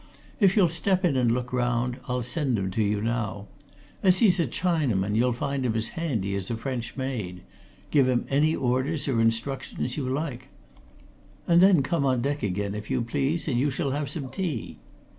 If you'll step in and look round, I'll send him to you now. As he's a Chinaman, you'll find him as handy as a French maid. Give him any orders or instructions you like. And then come on deck again, if you please, and you shall have some tea."